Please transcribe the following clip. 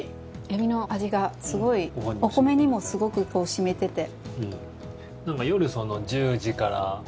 エビの味がすごいお米にもすごく染みてて。